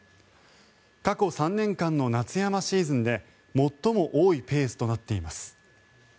過去３年間の夏山シーズンで最も多いペースとなっています。